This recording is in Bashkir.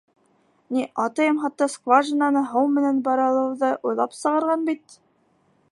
Ни, атайым хатта скважинаны һыу менән быраулауҙы уйлап сығарған бит.